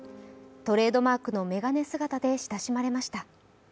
トレードマークの眼鏡姿で親しまれました。